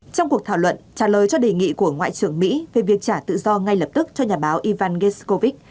trong cuộc thảo luận trả lời cho đề nghị của ngoại trưởng mỹ về việc trả tự do ngay lập tức cho nhà báo ivan gescovich